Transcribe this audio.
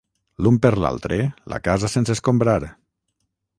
L'un per l'altre, la casa sense escombrar.